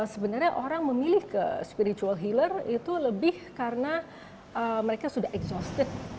sebenarnya orang memilih ke spiritual healer itu lebih karena mereka sudah exhausted